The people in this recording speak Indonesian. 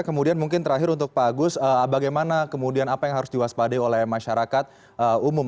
kemudian mungkin terakhir untuk pak agus bagaimana kemudian apa yang harus diwaspadai oleh masyarakat umum